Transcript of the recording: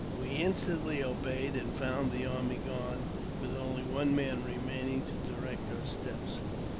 We instantly obeyed, and found the army gone, with only one man remaining to direct our steps.